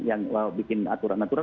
yang bikin aturan aturan